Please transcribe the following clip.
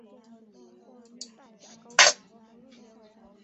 新的建筑和凯撒广场成为直角。